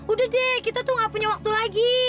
udah deh kita tuh gak punya waktu lagi